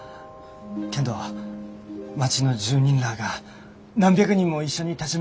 けんど町の住人らあが何百人も一緒に立ち向こうてくれて。